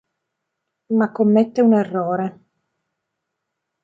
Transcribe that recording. Ma commette un errore.